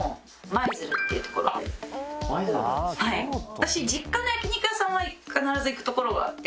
私実家の焼き肉屋さんは必ず行く所があって。